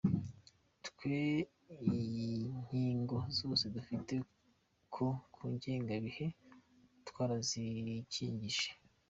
Twe inkingo zose dufite ku ngengabihe twarazikingije.